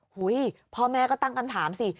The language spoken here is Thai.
หุ้ยพ่อแม่ก็ตั้งการถามสิ